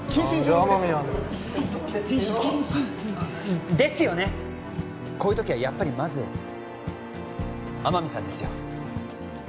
そうですよですよねこういう時はやっぱりまず天海さんですよ